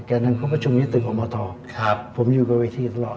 แกนนำคุณประชุมยัตถึงอมทองผมอยู่กับเวทีตลอด